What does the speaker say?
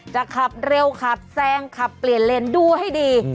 จะขับเร็วขับแซงขับเปลี่ยนเลนดูให้ดี